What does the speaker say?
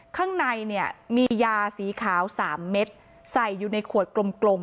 ข้างในเนี่ยมียาสีขาวสามเม็ดใส่อยู่ในขวดกลม